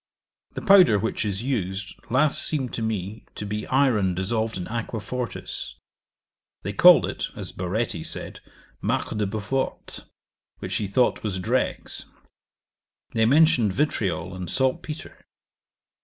The powder which is used last seemed to me to be iron dissolved in aqua fortis: they called it, as Baretti said, marc de beau forte, which he thought was dregs. They mentioned vitriol and salt petre.